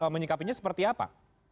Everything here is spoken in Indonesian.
menyikapinya seperti apa